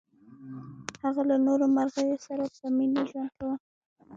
هغه له نورو مرغیو سره په مینه ژوند کاوه.